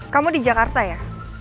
kamu di jakarta ya